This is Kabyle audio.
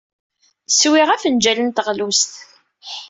Swiɣ afenjal n teɣlust.